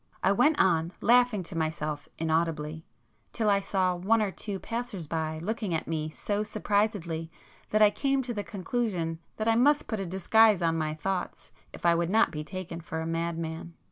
I went on, laughing to myself inaudibly, till I saw one or two passers by looking at me so surprisedly that I came to the conclusion that I must put a disguise on my thoughts if I would not be taken for a madman.